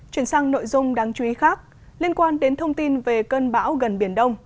chuyển sang nội dung đáng chú ý khác liên quan đến thông tin về cơn bão gần biển đông